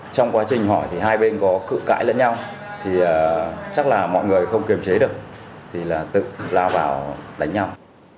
trong quá trình hỏi thì hai bên có cự cãi lẫn nhau thì chắc là mọi người không kiềm chế được thì là tự lao vào đánh nhau